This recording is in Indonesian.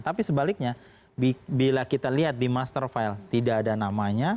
tapi sebaliknya bila kita lihat di master file tidak ada namanya